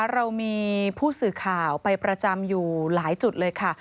เรามีผู้สื่อข่าวไปประจำอยู่หลายจุดเลยค่ะ